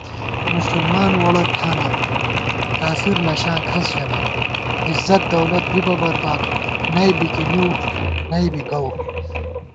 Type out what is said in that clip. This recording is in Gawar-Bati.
مسلمانہ ووڑہ ٹھانہ، کافر نشاں کھڅ ژَمېت * عزت دولت بِبہ برباد، نئ بِکِنِؤ نئ بی گوؤ